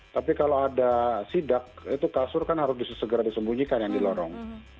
tapi kalau ada sidak itu kasur kan harus segera disembunyikan yang di lorong